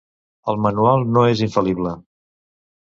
El manual no és infal·lible.